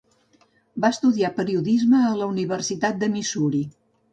Va estudiar periodisme a la Universitat de Missouri.